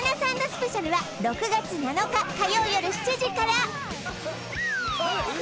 スペシャルは６月７日火曜よる７時から！